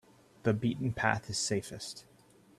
The beaten path is safest.